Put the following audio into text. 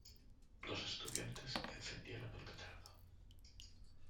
Dos estudiantes encendieron el petardo.